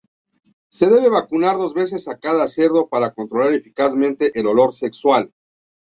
Se debe vacunar dos veces a cada cerdo para controlar eficazmente el olor sexual.